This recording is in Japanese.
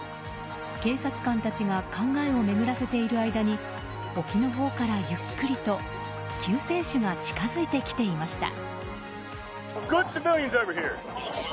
警察官たちが考えを巡らせている間に沖のほうからゆっくりと救世主が近づいてきていました。